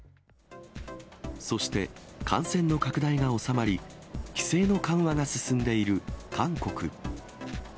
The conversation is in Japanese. そして感染の拡大が収まり、規制の緩和が進んでいる韓国。